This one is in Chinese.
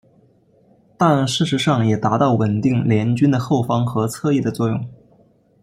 但事实上也达到稳定联军的后方和侧翼的作用。